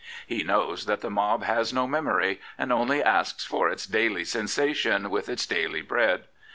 He knows that the mob has no memory and only asks for its daily sensa tion with its daily bread.